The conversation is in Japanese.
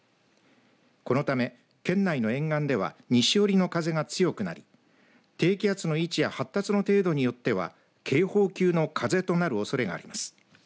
このため県内の沿岸では西寄りの風が強くなり低気圧の位置や発達の程度によっては警報級の風となるおそれがあります。